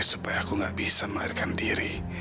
pasti supaya aku gak bisa melahirkan diri